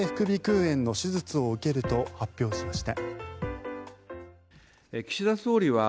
炎の手術を受けると発表しました。